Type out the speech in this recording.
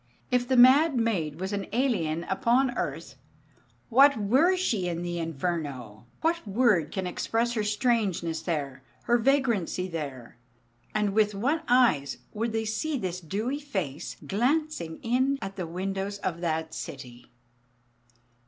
If the mad maid was an alien upon earth, what were she in the Inferno? What word can express her strangeness there, her vagrancy there? And with what eyes would they see this dewy face glancing in at the windows of that City?